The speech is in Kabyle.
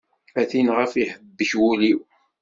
A tin ɣef iḥebbek wul-iw.